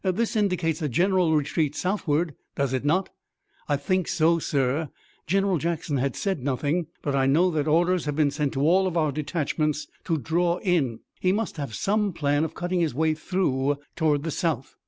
This indicates a general retreat southward, does it not?" "I think so, sir. General Jackson has said nothing, but I know that orders have been sent to all our detachments to draw in. He must have some plan of cutting his way through toward the south.